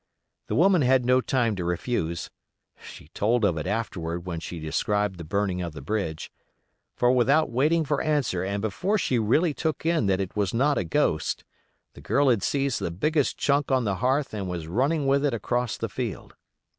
The woman had no time to refuse (she told of it afterward when she described the burning of the bridge); for without waiting for answer and before she really took in that it was not a ghost, the girl had seized the biggest chunk on the hearth and was running with it across the field.